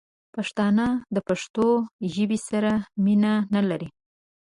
پښتانه دپښتو ژبې سره مینه نه لري